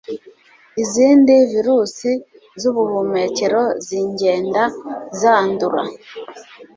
izindi virusi z’ubuhumekero zingenda zandura